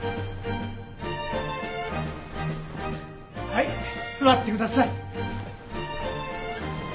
はい座ってください。